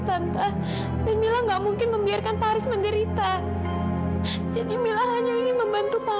tante dan mila nggak mungkin membiarkan paris menderita jadi mila hanya ingin membantu pak